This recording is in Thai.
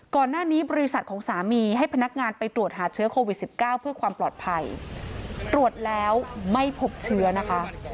บริษัทของสามีให้พนักงานไปตรวจหาเชื้อโควิด๑๙เพื่อความปลอดภัยตรวจแล้วไม่พบเชื้อนะคะ